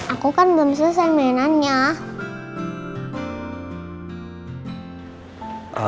aku kan belum selesai mainannya